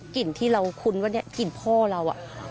กลิ่นที่เราคุ้นว่าเนี่ยกลิ่นพ่อเรา